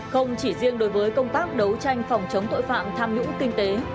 không chỉ riêng đối với công tác đấu tranh phòng chống tội phạm tham nhũng kinh tế